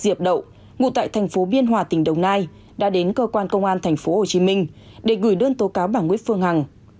diệp đậu ngụ tại thành phố biên hòa tỉnh đồng nai đã đến cơ quan công an tp hcm để gửi đơn tố cáo bà nguyễn phương hằng